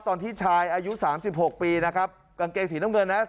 ตอนที่ชายอายุ๓๖ปีนะครับกางเกงสีน้ำกลีนนะฮะ